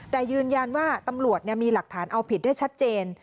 แต่ยืนยันว่าตำรวจมีหลักฐานเอาผิดได้ชัดเจน